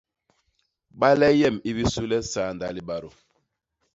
Bale yem i bisu le saanda libadô..